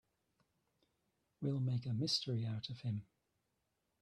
We'll make a mystery out of him.